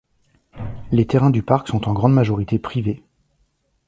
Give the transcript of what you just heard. Les terrains du parc sont en grande majorité privés.